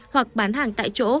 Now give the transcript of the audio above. hoặc bán hàng tại chỗ